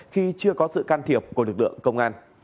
khi chưa có sự can thiệp của lực lượng công an